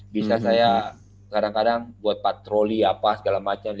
bisa saya kadang kadang buat patroli apa segala macam